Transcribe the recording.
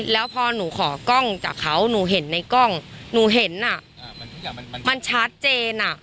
แล้วพอหนูขอกล้องจากเขาหนูเห็นในกล้องหนูเห็นทุกอย่างมันชัดเจนอ่ะ